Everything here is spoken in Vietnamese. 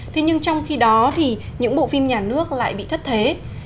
thế nhưng trong khi đó thì những bộ phim nhà nước lại bị thất thế